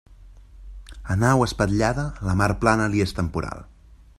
A nau espatllada, la mar plana li és temporal.